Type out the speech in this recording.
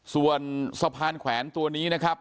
ส่วนสะพานแขวนตัวนี้นะครับ